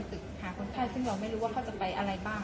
สวัสดีครับ